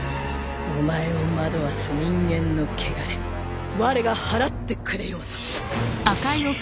お前を惑わす人間の穢れわれが払ってくれようぞ。